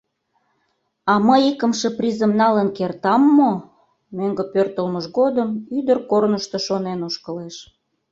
«А мый икымше призым налын кертам мо? — мӧҥгӧ пӧртылмыж годым ӱдыр корнышто шонен ошкылеш.